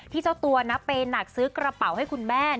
เจ้าตัวนะเปย์หนักซื้อกระเป๋าให้คุณแม่